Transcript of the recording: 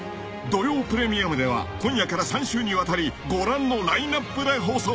［『土曜プレミアム』では今夜から３週にわたりご覧のラインアップで放送］